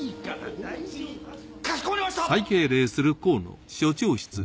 かしこまりました！